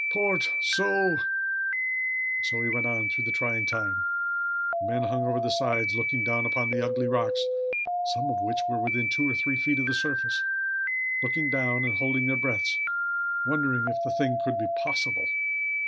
port so!" And so he went on through the trying time. The men hung over the sides, looking down upon the ugly rocks, some of which were within two or three feet of the surface looking down, and holding their breaths wondering if the thing could be possible.